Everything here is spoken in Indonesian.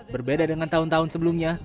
berbeda dengan tahun tahun sebelumnya